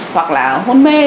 hoặc là hôn mê